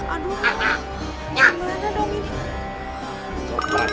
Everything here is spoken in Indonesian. aduh gimana dong ini